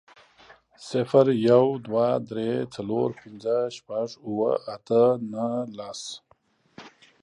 صفر، يو، دوه، درې، څلور، پنځه، شپږ، اووه، اته، نهه، لس